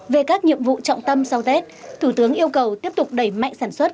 về các nhiệm vụ trọng tâm sau tết thủ tướng yêu cầu tiếp tục đẩy mạnh sản xuất